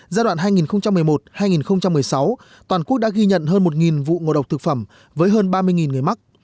giai đoạn hai nghìn một mươi một hai nghìn một mươi sáu toàn quốc đã ghi nhận hơn một vụ ngộ độc thực phẩm với hơn ba mươi người mắc